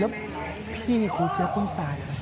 แล้วพี่ครูเจี๊ยบเพิ่งตายค่ะ